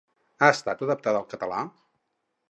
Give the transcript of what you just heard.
Ha estat adaptada al català?